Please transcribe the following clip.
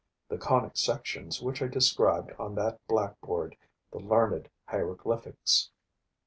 The conic sections which I described on that blackboard, the learned hieroglyphics!